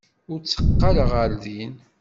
Ur tteqqaleɣ ɣer din.